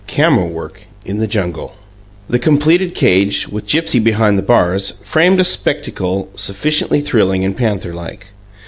CAMERA WORK IN THE JUNGLE The completed cage, with Gipsy behind the bars, framed a spectacle sufficiently thrilling and panther like.